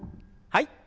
はい。